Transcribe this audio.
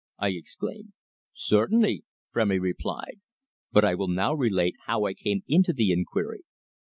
I exclaimed. "Certainly," Frémy replied. "But I will now relate how I came into the inquiry.